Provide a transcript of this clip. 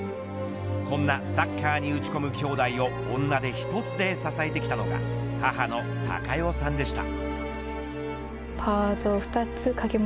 そんなサッカーに打ち込むきょうだいを女手一つで支えてきたのが母の貴代さんでした。